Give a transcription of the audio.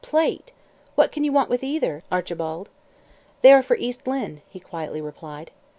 Plate! What can you want with either, Archibald?" "They are for East Lynne," he quietly replied.